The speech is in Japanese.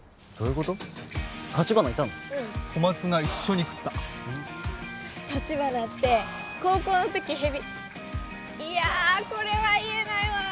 うん小松菜一緒に食った立花って高校のときヘビいやこれは言えないわ